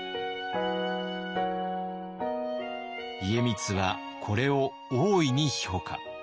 家光はこれを大いに評価。